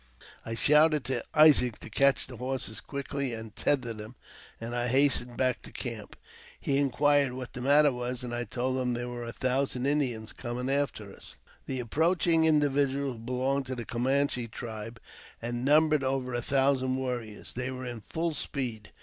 I shouted to Isaac to catch the horses quickly and tether them^ and I hastened back to the camp. He inquired what the matter was, and I told him there were a thousand Indians coming after us. The approaching individuals belonged to the Camanche tribe,, and numbered over a thousand warriors. They were in full speed.